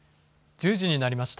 １０時になりました。